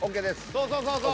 そうそうそうそう。